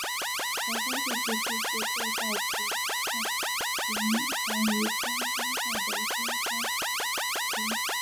枣庄地区地质构造骨架形成于中生代的燕山期。